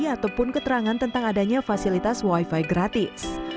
ataupun keterangan tentang adanya fasilitas wifi gratis